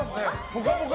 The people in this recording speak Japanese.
「ぽかぽか」